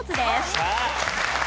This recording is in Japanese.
よっしゃー！